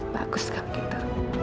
bagus kak gitu